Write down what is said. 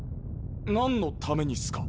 何のためにっすか？